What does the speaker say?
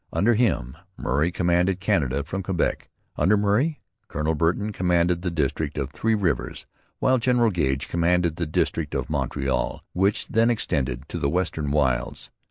Under him Murray commanded Canada from Quebec. Under Murray, Colonel Burton commanded the district of Three Rivers while General Gage commanded the district of Montreal, which then extended to the western wilds.